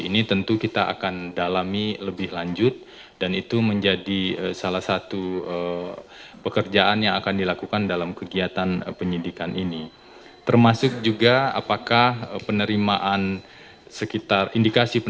ini tentu kita akan dalami lebih lanjut dan itu menjadi salah satu pekerjaan yang akan dilakukan dalam kegiatan perusahaan